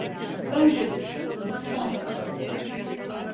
Önce düşün, sonra söyle.